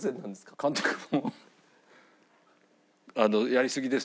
監督も。